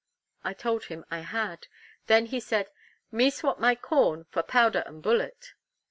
I told him I had. He then said, "Me swap my corn, for powder and bullet."